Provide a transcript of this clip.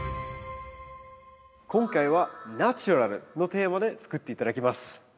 今回は「ナチュラル」のテーマで作って頂きます。